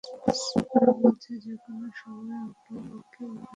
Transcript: ওরা বলেছে যেকোনো সময় মাকে ওখানে নিয়ে যেতে।